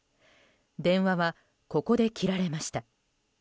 電話はここで切られました。